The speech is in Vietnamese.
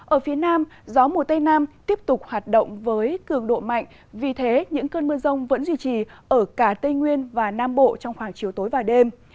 ở phía nam gió mùa tây nam tiếp tục hoạt động với cường độ mạnh vì thế những cơn mưa rông vẫn duy trì ở cả tây nguyên và nam bộ trong khoảng chiều tối và đêm